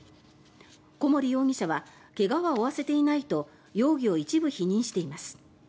小森容疑者は怪我は負わせていないと容疑を一部否認しています。